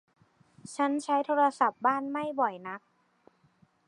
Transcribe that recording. ฉันใช้โทรศัพท์บ้านไม่บ่อยนัก